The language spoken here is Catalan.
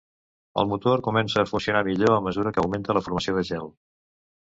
El motor comença a funcionar millor a mesura que augmenta la formació de gel.